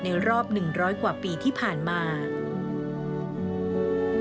รอบ๑๐๐กว่าปีที่ผ่านมา